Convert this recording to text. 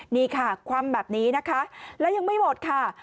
นี่ค่ะคว่ำแบบนี้นะคะแล้วยังไม่หมดค่ะ